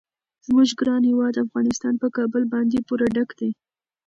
زموږ ګران هیواد افغانستان په کابل باندې پوره ډک دی.